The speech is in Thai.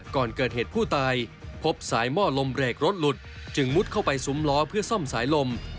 ก่อนเกิดเหตุผู้ตายพบสายหม้อลมเบรกรถหลุดจึงมุดเข้าไปซุ้มล้อเพื่อซ่อมสายลม